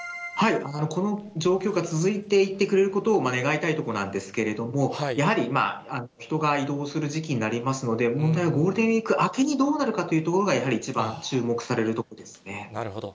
この状況が続いていってくれることを願いたいところなんですけれども、やはり人が移動する時期になりますので、問題はゴールデンウィーク明けに、どうなるかというところがやはりなるほど。